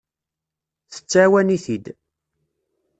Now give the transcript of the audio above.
Tettɛawan-it-id.